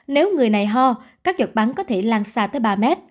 nếu người này ho các giọt bắn có thể lan xa tới ba mét